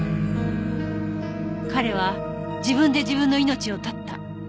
彼は自分で自分の命を絶った。